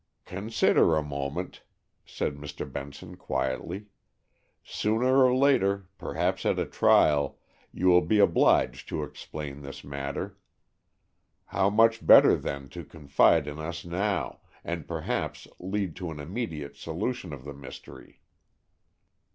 "Consider a moment," said Mr. Benson quietly. "Sooner or later—perhaps at a trial—you will be obliged to explain this matter. How much better, then, to confide in us now, and perhaps lead to an immediate solution of the mystery."